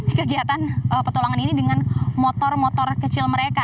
dan mereka begitu semangat mengikuti kegiatan petualangan ini dengan motor motor kecil mereka